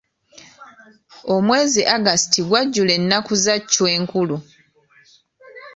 Omwezi August gwajjula ennaku za Chwa enkulu.